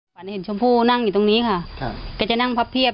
เหมือนจะถอดยากล่ะค่ะ